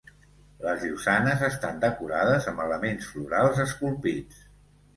Les llosanes estan decorades amb elements florals esculpits.